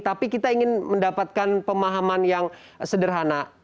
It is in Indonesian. tapi kita ingin mendapatkan pemahaman yang sederhana